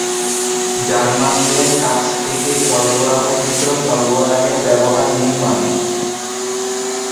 জার্মানদের কাছ থেকে সরবরাহকৃত সরবরাহের ব্যবহার নির্মাণ।